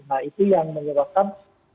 nah itu yang menyebabkan